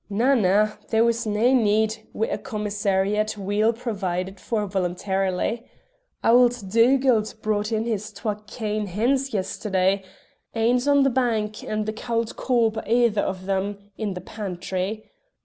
"Na, na, there was nae need wi' a commissariat weel provided for voluntary. Auld Dugald brought in his twa kain hens yesterday; ane's on the bank and the cauld corp o' the ither o' them's in the pantry.